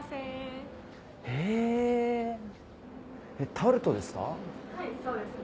タルトですか？